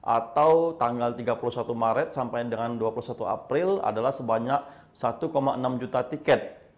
atau tanggal tiga puluh satu maret sampai dengan dua puluh satu april adalah sebanyak satu enam juta tiket